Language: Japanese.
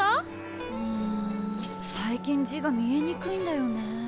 ん最近字が見えにくいんだよね。